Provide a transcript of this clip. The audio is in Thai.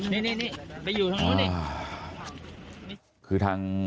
นี่ไปอยู่ทางนู้นดิ